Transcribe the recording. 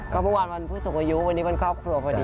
ก็เมื่อวานวันผู้สูงอายุวันนี้วันครอบครัวพอดี